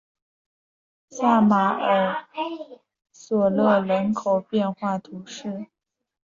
萨马尔索勒人口变化图示